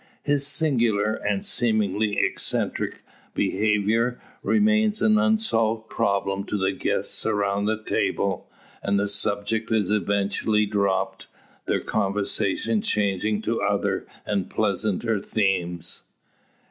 His singular, and seemingly eccentric, behaviour, remains an unsolved problem to the guests around the table; and the subject is eventually dropped their conversation changing to other and pleasanter themes.